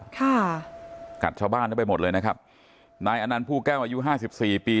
ค่ะกัดชาวบ้านเข้าไปหมดเลยนะครับนายอนันต์ผู้แก้วอายุห้าสิบสี่ปี